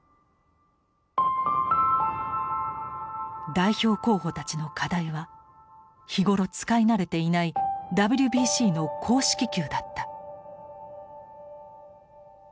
代表候補たちの課題は日頃使い慣れていないＷＢＣの公式球だった。